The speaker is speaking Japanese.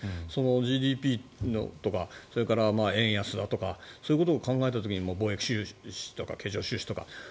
ＧＤＰとかそれから円安だとかそういうことを考えた時に貿易収支とか経常収支とか。